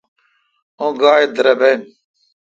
اں گاےدربن۔